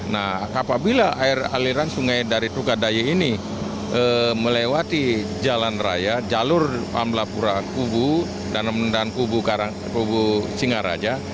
nah apabila aliran sungai dari tukadaye ini melewati jalan raya jalur amlapura kubu dan kubu singaraja